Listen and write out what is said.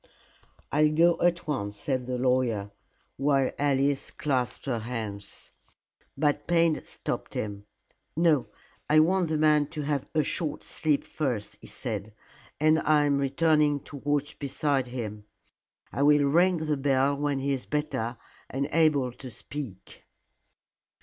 "I'll go at once," said the lawyer, while Alice clasped her hands. But Payne stopped him. "No. I want the man to have a short sleep first," he said, "and I am returning to watch beside him. I will ring the bell when he is better and able to speak."